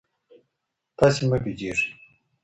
تاسي مه بېدېږئ.